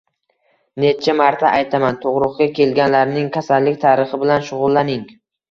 Necha marta aytaman, tug`ruqqa kelganlarning kasallik tarixi bilan shug`ullaning